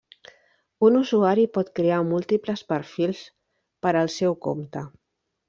Un usuari pot crear múltiples perfils per al seu compte.